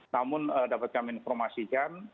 namun dapat kami informasikan